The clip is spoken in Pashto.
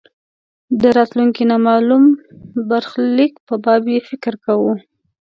د راتلونکې نامالوم برخلیک په باب یې فکر کاوه.